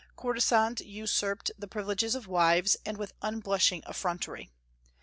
Courtesans usurped the privileges of wives, and with unblushing effrontery.